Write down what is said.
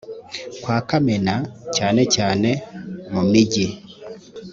kuwa kamena cyane cyane mumijyi